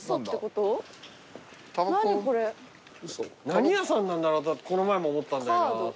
何屋さんなんだろうとこの前も思ったんだよな。